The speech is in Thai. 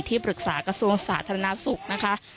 ปรึกษากระทรวงสาธารณสุขนะคะ